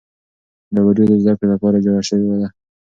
دا ویډیو د زده کړې لپاره جوړه شوې ده.